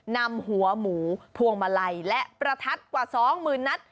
นำหัวหมูพวงมาไล่และประทัดกว่าสองหมื่นนัด